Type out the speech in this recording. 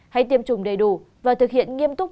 hãy tiêm chủng đầy đủ và thực hiện nghiêm túc